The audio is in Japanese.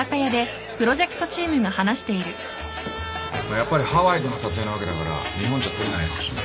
やっぱりハワイでの撮影なわけだから日本じゃ撮れない絵欲しいな。